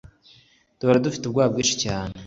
duhora dufite ubwoba bwishi cyane